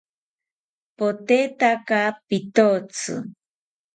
Potetaka pitotzi